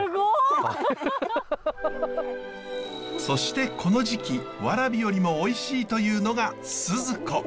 そしてこの時期ワラビよりもおいしいというのがスズコ。